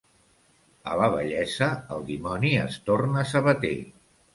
A la vellesa el dimoni es torna sabater.